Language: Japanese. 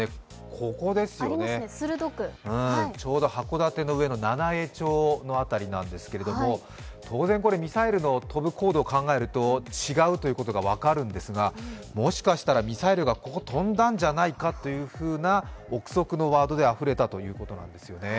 ここですよね、ちょうど函館の上の七飯町の辺りなんですが当然これ、ミサイルの飛ぶ高度を考えると違うということが分かるんですが、もしかしたらミサイルがここを飛んだんじゃないかという臆測のワードがあふれたということなんですね。